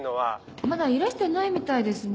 まだいらしてないみたいですね